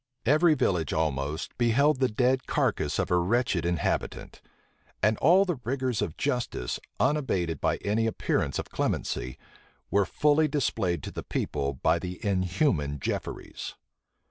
Every village almost beheld the dead carcass of a wretched inhabitant. And all the rigors of justice, unabated by any appearance of clemency, were fully displayed to the people by the inhuman Jefferies.